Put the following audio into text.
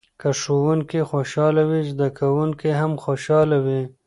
که ښوونکی خوشحاله وي زده کوونکي هم خوشحاله وي.